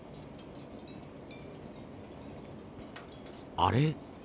あれ？